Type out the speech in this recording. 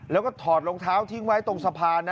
แล้วก็ถอดรองเท้าทิ้งไว้ตรงสะพานนะ